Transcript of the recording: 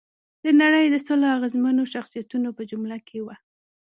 د نړۍ د سلو اغېزمنو شخصیتونو په جمله کې وه.